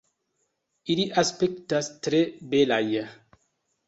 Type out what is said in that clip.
Ili aspektas tre belaj.